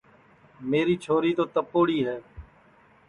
میری چھوری تو تپوڑی ہے